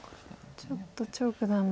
ちょっと張栩九段も。